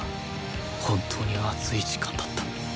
本当に熱い時間だった